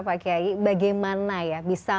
pak kyai bagaimana ya